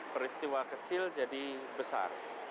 peristiwa kecil jadi besar